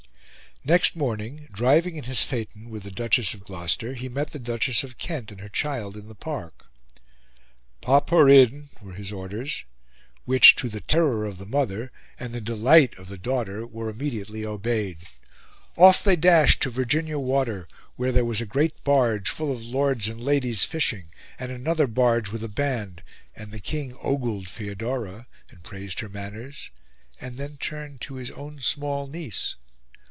Next morning, driving in his phaeton with the Duchess of Gloucester, he met the Duchess of Kent and her child in the Park. "Pop her in," were his orders, which, to the terror of the mother and the delight of the daughter, were immediately obeyed. Off they dashed to Virginia Water, where there was a great barge, full of lords and ladies fishing, and another barge with a band; and the King ogled Feodora, and praised her manners, and then turned to his own small niece.